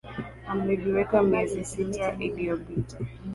wameviweka miezi sita iliyopita